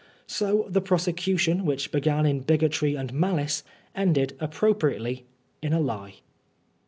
So the prosecution, which began in bigotry and malice, ended appro priately in a lie.